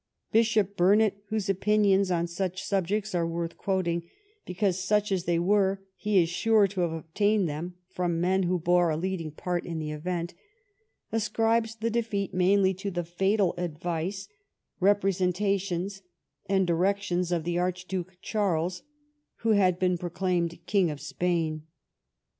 Bishop Burnet, whose opinions on such subjects are worth quoting, because, such as they were, he is sure to have obtained them from men who bore a leading part in the event, ascribes the defeat mainly to the fatal advice, repre sentations, and directions of the Archduke Charles, who had been proclaimed King of Spain.